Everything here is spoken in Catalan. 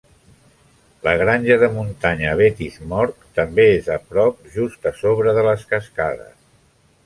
La granja de muntanya Vettismorki també és a prop, just a sobre de les cascades.